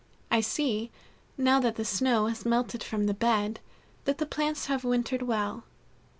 I see, now that the snow has melted from the bed, that the plants have wintered well.